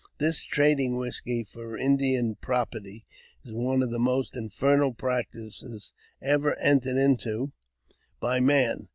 This trading whisky for Indian property is one of the most" infernal practices ever entered into by man.